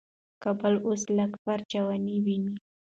کابل اوس لږ پرچاویني ویني.